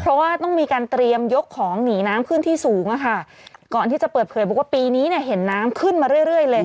เพราะว่าต้องมีการเตรียมยกของหนีน้ำขึ้นที่สูงอะค่ะก่อนที่จะเปิดเผยบอกว่าปีนี้เนี่ยเห็นน้ำขึ้นมาเรื่อยเลย